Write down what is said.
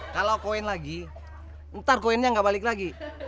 kalau koin lagi ntar koinnya nggak balik lagi